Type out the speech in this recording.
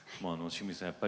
清水さん